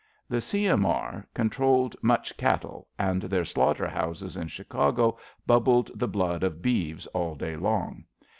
The C.M.E. controlled much cattle, and their slaughter houses in Chicago bubbled the blood of beeves all day long.